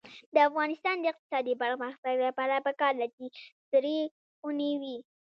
د افغانستان د اقتصادي پرمختګ لپاره پکار ده چې سړې خونې وي.